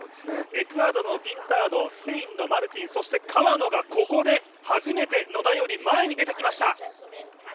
エクアドルのピンタードスペインのマルティンそして川野がここで初めて野田より前に出てきました。